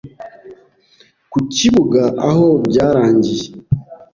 ku kibuga aho byarangiye